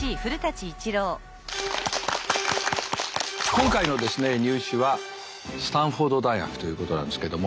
今回のですね「ニュー試」はスタンフォード大学ということなんですけども。